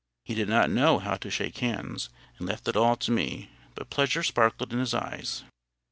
He did not know how to shake hands, and left it all to me. But pleasure sparkled in his eyes.